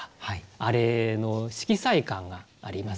あれの色彩感がありますしね。